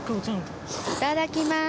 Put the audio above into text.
いただきます。